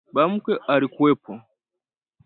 Ba mkwe alikuwepo